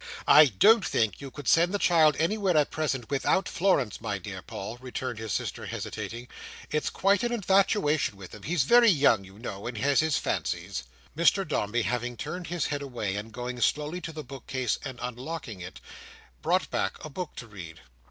"I don't think you could send the child anywhere at present without Florence, my dear Paul," returned his sister, hesitating. "It's quite an infatuation with him. He's very young, you know, and has his fancies." Mr Dombey turned his head away, and going slowly to the bookcase, and unlocking it, brought back a book to read.